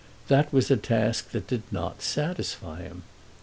That was a task that did not satisfy him.